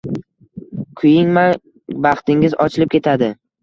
Kuyinmang, baxtingiz ochilib ketadi